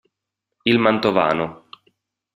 Il Mantovano